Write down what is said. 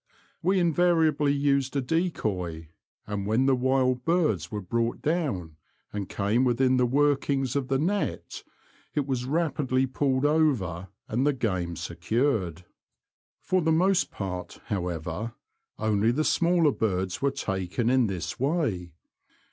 We invariably used a decoy, and when the wild birds were brought down, and came within the workings of the net, it was rapidly pulled over and the game secured. For the most part, however, only the smaller birds were taken in this way.